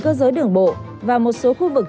cơ giới đường bộ và một số khu vực